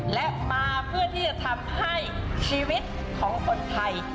และมาเพื่อที่จะทำให้ชีวิตของคนไทย